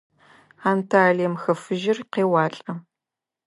Анталием Хы Фыжьыр къеуалӏэ.